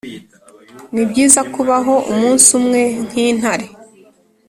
nibyiza kubaho umunsi umwe nkintare,